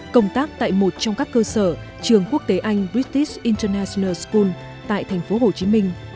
công tác tại một trong các cơ sở trường quốc tế anh british international school tại thành phố hồ chí minh